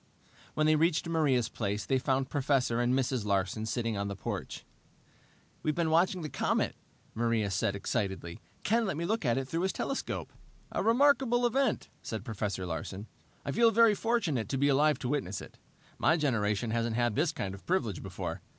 When they reached Maria's place they found Professor and Mrs. Larsen sitting on the porch. "We've been watching the comet," Maria said excitedly. "Ken let me look at it through his telescope." "A remarkable event," said Professor Larsen. "I feel very fortunate to be alive to witness it. My generation hasn't had this kind of privilege before.